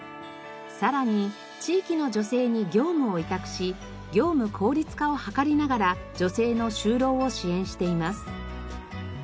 さらに地域の女性に業務を委託し業務効率化を図りながら女性の就労を支援しています。